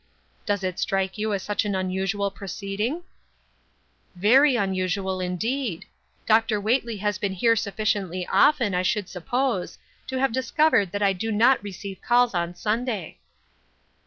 Does it strike you as such an unusual proceeding ?" "Very unusual, indeed. Dr. Whately has been here sufficiently often, I should suppose, to have discovered that I do not receive calls on Sunday."